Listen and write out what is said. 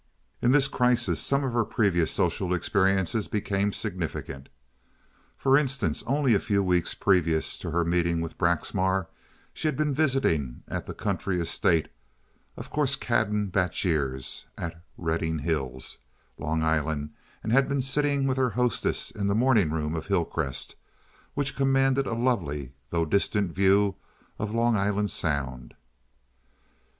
In this crisis some of her previous social experiences became significant. For instance, only a few weeks previous to her meeting with Braxmar she had been visiting at the country estate of the Corscaden Batjers, at Redding Hills, Long Island, and had been sitting with her hostess in the morning room of Hillcrest, which commanded a lovely though distant view of Long Island Sound.